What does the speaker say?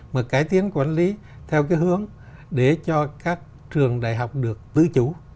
mà cải tiến quản lý theo cái hướng để cho các trường đại học được tứ chủ